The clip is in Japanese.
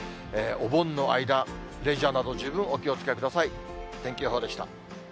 お盆の間、レジャーなど、十分お気をつけください。